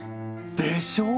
でしょう？